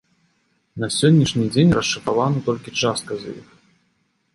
На сённяшні дзень расшыфравана толькі частка з іх.